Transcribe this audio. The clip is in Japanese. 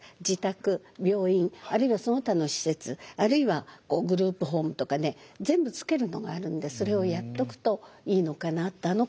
自宅病院あるいはその他の施設あるいはグループホームとかね全部つけるのがあるんでそれをやっておくといいのかなって。